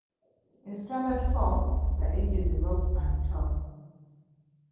In standard form, the engine developed and torque.